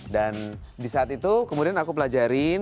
dan di saat itu kemudian aku pelajarin